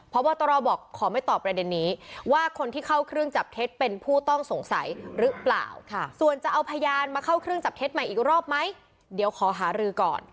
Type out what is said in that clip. เพราะว่าตรอบบอกขอไม่ตอบในเดียนนี้